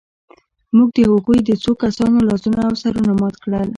موږ د هغوی د څو کسانو لاسونه او سرونه مات کړل